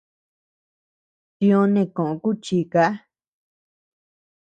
Tiö neʼe koʼö kuchika.